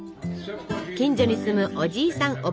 近所に住むおじいさん